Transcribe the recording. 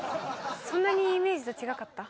そんなにイメージと違かった？